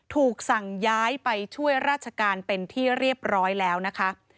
ถูกสั่งย้ายไปช่วยราชการเป็นที่เรียบร้อยแล้วนะคะ